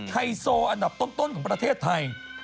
ไฮโซอันดับต้นของประเทศไทย